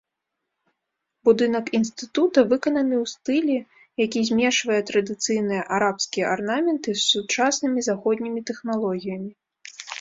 Будынак інстытута выкананы ў стылі, які змешвае традыцыйныя арабскія арнаменты з сучаснымі заходнімі тэхналогіямі.